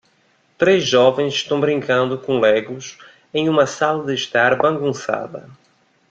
Três jovens estão brincando com Legos em uma sala de estar bagunçada.